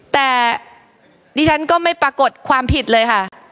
แต่ดิฉันก็ไม่ปรากฏความผิดเลยค่ะ